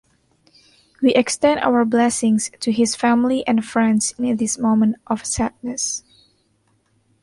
We extend our blessings to his family and friends in this moment of sadness.